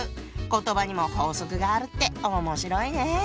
言葉にも法則があるって面白いね。